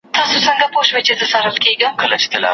که مقاله لنډه هم وي باید منځپانګه یې پوره او بډایه وي.